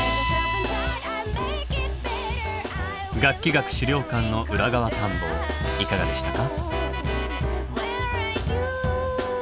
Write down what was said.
楽器学資料館の裏側探訪いかがでしたか？